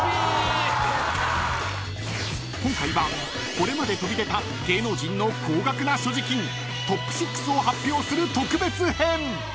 ［今回はこれまで飛び出た芸能人の高額な所持金トップ６を発表する特別編］